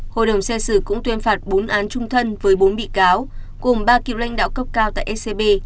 hội đồng xét xử cũng tuyên phạt bốn án trung thân với bốn bị cáo cùng ba cựu lãnh đạo cấp cao tại scb